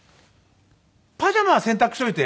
パジャマは洗濯しておいて。